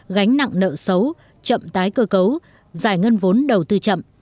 gánh nặng nợ xấu chậm tái cơ cấu giải ngân vốn đầu tư chậm